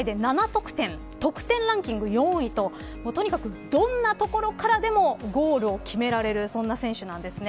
得点ランキング４位とどんなところからでもゴールを決められる選手です。